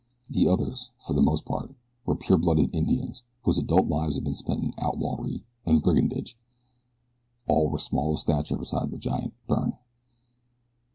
The others, for the most part, were pure blooded Indians whose adult lives had been spent in outlawry and brigandage. All were small of stature beside the giant, Byrne.